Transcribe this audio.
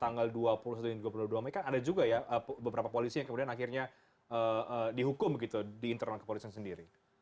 karena kalau kita lihat aksi yang tanggal dua puluh satu dan dua puluh dua mei kan ada juga ya beberapa polisi yang kemudian akhirnya dihukum gitu di internal kepolisian sendiri